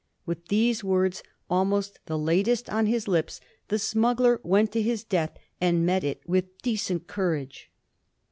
With these words, almost the latest on his lips, the smuggler went to his death and met it with a decent courage.